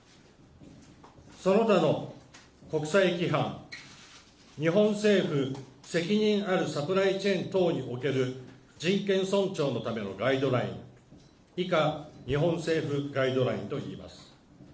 その他の国際規範、日本政府、責任あるサプライチェーン等に対する人権尊重のためのガイドライン、以下、日本政府ガイドラインといいます。